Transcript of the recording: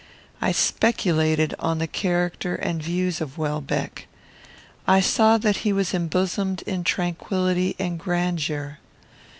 I speculated on the character and views of Welbeck. I saw that he was embosomed in tranquillity and grandeur.